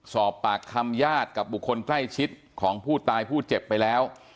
สอบปากคำญาติกับบุคคลใกล้ชิดของผู้ตายผู้เจ็บไปแล้ว